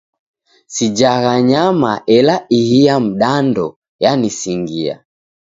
Sijagha nyama ela ihi ya mdando yanisingia.